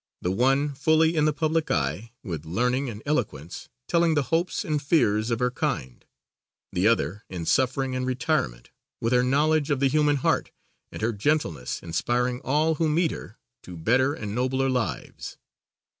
The one fully in the public eye, with learning and eloquence, telling the hopes and fears of her kind; the other in suffering and retirement, with her knowledge of the human heart and her gentleness inspiring all who meet her to better and nobler lives.